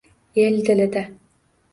El dilida